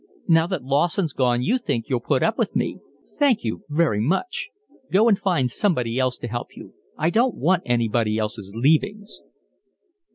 "Now that Lawson's gone you think you'll put up with me. Thank you very much. Go and find somebody else to help you. I don't want anybody else's leavings."